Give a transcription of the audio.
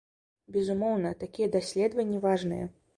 Безумоўна, такія даследаванні важныя.